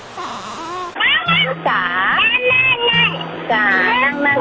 เสียงละครายเหมือนกลัว